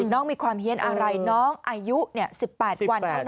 น้องมีความเฮียนอะไรน้องอายุ๑๘วันเท่านั้น